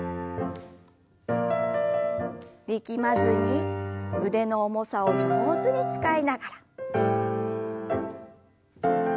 力まずに腕の重さを上手に使いながら。